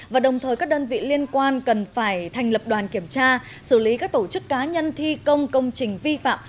và đồng thời các đơn vị liên quan cần phải thành lập đoàn kiểm tra xử lý các tổ chức cá nhân thi công công trình vi phạm